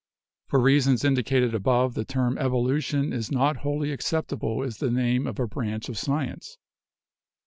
"For reasons indicated above the term 'evolution' is not wholly acceptable as the name of a branch of science.